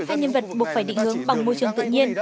các nhân vật buộc phải định hướng bằng môi trường tự nhiên